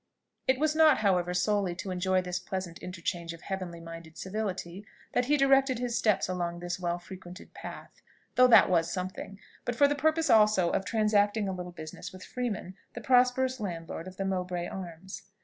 It was not, however, solely to enjoy this pleasing interchange of heavenly minded civility that he directed his steps along this well frequented path though that was something, but for the purpose also of transacting a little business with Freeman, the prosperous landlord of the Mowbray Arms.